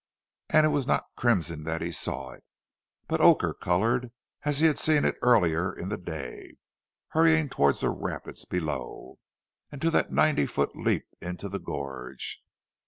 And it was not crimson that he saw it, but ochre coloured as he had seen it earlier in the day, hurrying towards the rapids below, and to that ninety foot leap into the gorge.